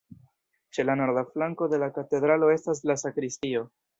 Ĉe la norda flanko de la katedralo estas la sakristio.